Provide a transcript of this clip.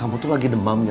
aku lagi demamnya